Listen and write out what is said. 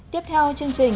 tiếp theo chương trình